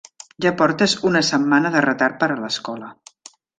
Ja portes una setmana de retard per a l'escola.